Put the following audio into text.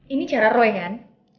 ini cara roy kan